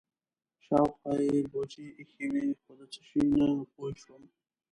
شاوخوا یې بوجۍ ایښې وې خو د څه شي نه پوه شوم.